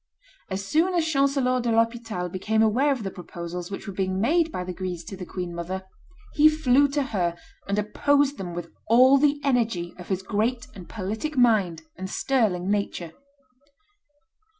As soon as Chancellor de l'Hospital became aware of the proposals which were being made by the Guises to the queen mother, he flew to her and opposed them with all the energy of his great and politic mind and sterling nature.